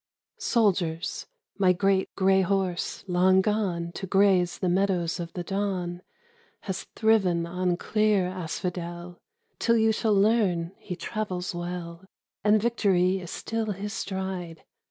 Jeanne d'Arc : Soldiers, my great gray horse long gone To graze the meadows of the dawn Has thriven on clear asphodel, Till you shall learn, he travels well, And victory is still his stride.